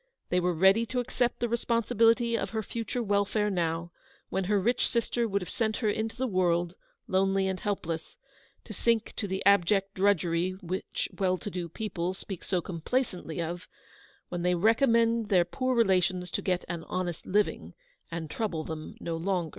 They were ready to accept the responsibility of her future welfare now, when her rich sister would have sent her into the world, lonely and helpless, to sink to the abject drudgery which well to do people speak so complacently of, when they recommend their poor relations to get an honest living and trouble them no longer.